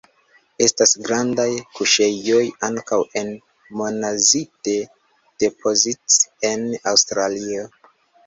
Estas grandaj kuŝejoj ankaŭ en monazite deposits en Aŭstralio.